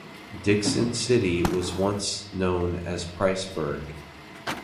Dickson City was once known as Priceburg.